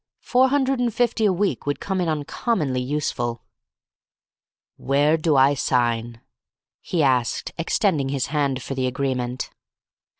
Four hundred and fifty a week would come in uncommonly useful. "Where do I sign?" he asked, extending his hand for the agreement.